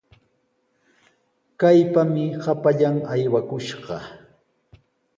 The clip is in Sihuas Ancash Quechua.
¡Kaypami hapallan aywakushqa!